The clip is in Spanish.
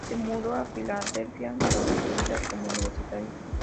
Se mudó a Filadelfia durante su vida como universitario.